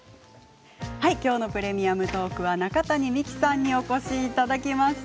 きょうの「プレミアムトーク」は中谷美紀さんにお越しいただきました。